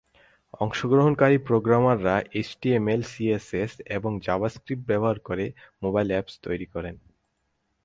অংশগ্রহণকারী প্রোগ্রামাররা HTML, CSS এবং জাভাস্ক্রিপ্ট ব্যবহার করে মোবাইল অ্যাপস তৈরি করেন।